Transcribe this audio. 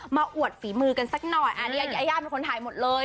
อวดฝีมือกันสักหน่อยอันนี้ยายาเป็นคนถ่ายหมดเลย